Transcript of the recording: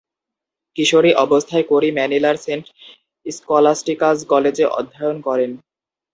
কিশোরী অবস্থায় কোরি ম্যানিলার Saint Scholastica's কলেজে অধ্যয়ন করেন।